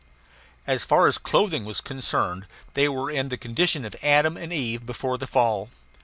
As far as clothing was concerned, they were in the condition of Adam and Eve before the fall.